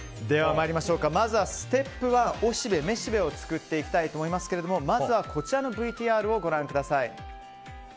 まずは、ステップ１おしべ・めしべを作っていきたいと思いますがＶＴＲをご覧ください。